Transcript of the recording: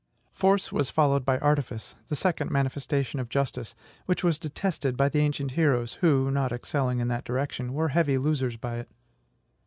Force was followed by artifice, the second manifestation of justice, which was detested by the ancient heroes, who, not excelling in that direction, were heavy losers by it.